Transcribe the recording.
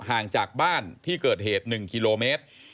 ห่างจากบ้านที่เกิดเหตุ๑กิโลเมตร